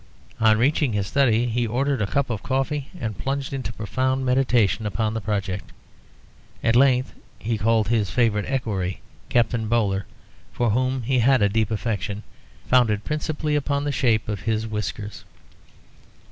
On reaching his study, he ordered a cup of coffee, and plunged into profound meditation upon the project. At length he called his favourite Equerry, Captain Bowler, for whom he had a deep affection, founded principally upon the shape of his whiskers.